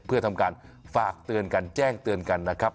เพื่อทำการฝากเตือนกันแจ้งเตือนกันนะครับ